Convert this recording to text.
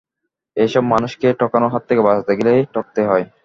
এ-সব মানুষকে ঠকানোর হাত থেকে বাঁচাতে গেলেই ঠকতে হয়।